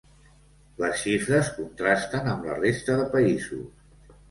Les xifres contrasten amb la resta de països.